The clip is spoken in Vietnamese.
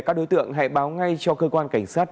các đối tượng hãy báo ngay cho cơ quan cảnh sát